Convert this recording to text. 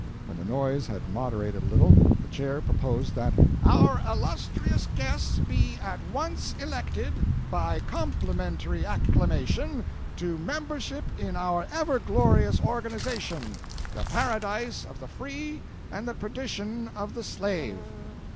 When the noise had moderated a little, the chair proposed that "our illustrious guests be at once elected, by complimentary acclamation, to membership in our ever glorious organization, the paradise of the free and the perdition of the slave."